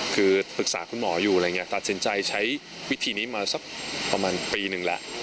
คือปรึกษาคุณหมออยู่ตัดสินใจใช้ไว้วิธีนี้มาประมาณปีนึงแหละ